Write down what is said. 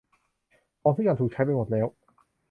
ของทุกอย่างถูกใช้ไปหมดแล้ว